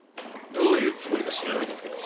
どういうつもりか知らないですけど。